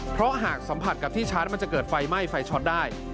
เพราะหากสัมผัสกับที่ชาร์จมันจะเกิดไฟไหม้ไฟช็อตได้